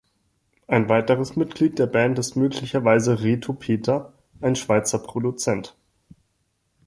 Ein weiteres Mitglied der Band ist möglicherweise Reto Peter, ein Schweizer Produzent.